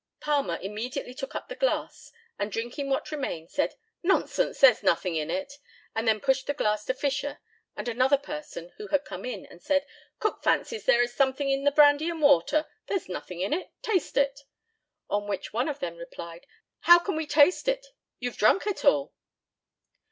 Palmer immediately took up the glass, and drinking what remained, said, "Nonsense, there's nothing in it;" and then pushing the glass to Fisher and another person who had come in, said, "Cook fancies there is something in the brandy and water there's nothing in it taste it." On which one of them replied, "How can we taste it? you've drank it all."